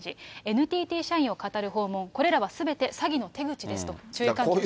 ＮＴＴ社員をかたる訪問、これらはすべて詐欺の手口ですと注意喚起しています。